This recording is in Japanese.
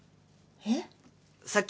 えっ？